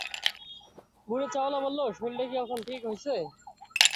বুড়ে চাওয়ালা বলল, শইলডা কি অখন ঠিক হইছে?